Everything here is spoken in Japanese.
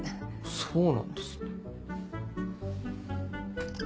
そうなんですね。